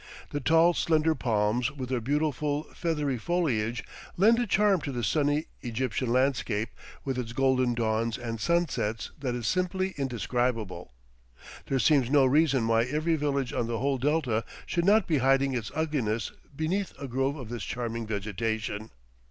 The tall, slender palms with their beautiful feathery foliage, lend a charm to the sunny Egyptian landscape with its golden dawns and sunsets that is simply indescribable. There seems no reason why every village on the whole delta should not be hiding its ugliness beneath a grove of this charming vegetation.